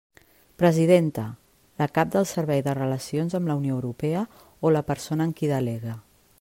Presidenta: la cap del Servei de Relacions amb la Unió Europea o la persona en qui delegue.